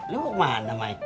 lo mau kemana be